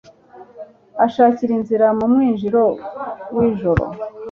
ashakira inzira mu mwinjiro w'ijoro